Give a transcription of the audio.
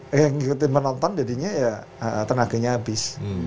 eh ngikutin penonton jadinya ya tenaganya habis